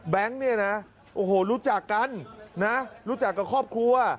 เนี่ยนะโอ้โหรู้จักกันนะรู้จักกับครอบครัว